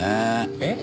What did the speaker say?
えっ？